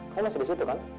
kayaknya masih di situ kan